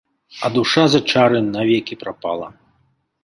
А душа за чары навекі прапала!